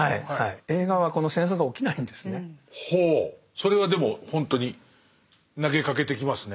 それはでもほんとに投げかけてきますね。